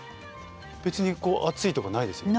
別にこう熱いとかないですよね？